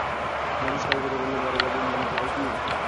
নমস্কার করে বললে, বড়োবাবু, মনে পড়ে কি?